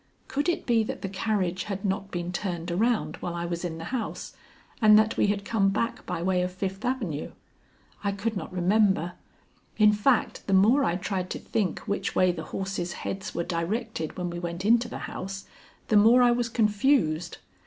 Could it be that the carriage had not been turned around while I was in the house, and that we had come back by way of Fifth Avenue? I could not remember in fact, the more I tried to think which way the horses' heads were directed when we went into the house, the more I was confused.